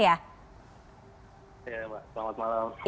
iya pak selamat malam